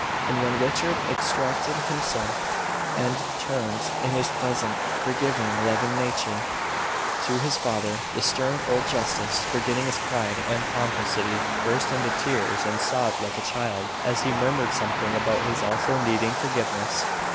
And when Richard extracted himself, and turned, in his pleasant, forgiving, loving nature, to his father, the stern old justice, forgetting his pride and pomposity, burst into tears and sobbed like a child, as he murmured something about his also needing forgiveness.